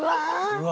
うわ！